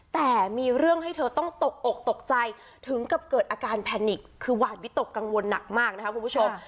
แต่มีเรื่องให้เธอต้องตกอกตกใจถึงกับเกิดอาการแพนิกคือหวาดวิตกกังวลหนักมากนะคะคุณผู้ชม